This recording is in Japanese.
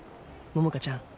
「桃花ちゃん